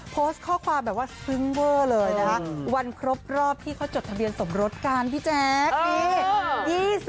โพสต์ข้อความแบบว่าซึ้งเวอร์เลยนะคะวันครบรอบที่เขาจดทะเบียนสมรสกันพี่แจ๊ค